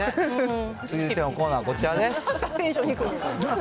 続いてのコーナー、こちらです。